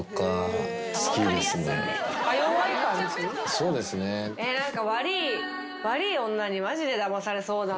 そうですね。何か。